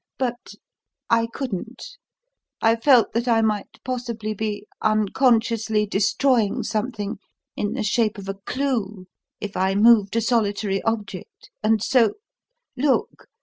But I couldn't! I felt that I might possibly be unconsciously destroying something in the shape of a clue if I moved a solitary object, and so Look!